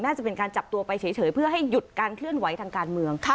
น่าจะเป็นการจับตัวไปเฉยเพื่อให้หยุดการเคลื่อนไหวทางการเมือง